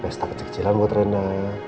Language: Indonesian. pesta kecil kecilan buat rena ya